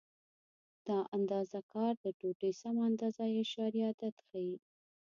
دا اندازه د کار د ټوټې سمه اندازه یا اعشاریه عدد ښیي.